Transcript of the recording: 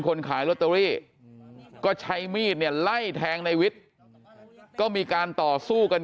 คนขายลอตเตอรี่ก็ใช้มีดเนี่ยไล่แทงในวิทย์ก็มีการต่อสู้กัน